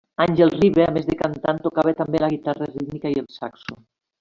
Àngel Riba, a més de cantant, tocava també la guitarra rítmica i el saxo.